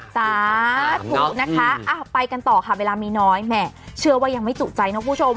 สาธุนะคะไปกันต่อค่ะเวลามีน้อยแหม่เชื่อว่ายังไม่จุใจนะคุณผู้ชม